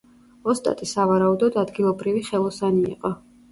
ოსტატი სავარაუდოდ ადგილობრივი ხელოსანი იყო.